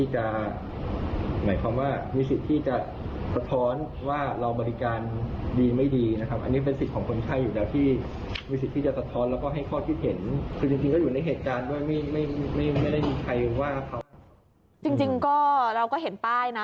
จริงก็เราก็เห็นป้ายนะ